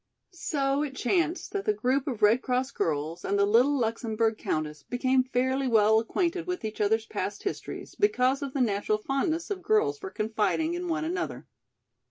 So it chanced that the group of Red Cross girls and the little Luxemburg countess became fairly well acquainted with each other's past histories because of the natural fondness of girls for confiding in one another.